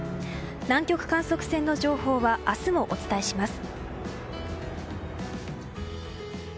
南極観測船の情報は明日もお伝えします。